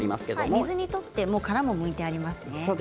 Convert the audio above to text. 水に取ってもう殻もむいてあります。